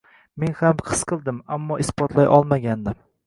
Men ham his qildim, ammo isbotlay olmagandim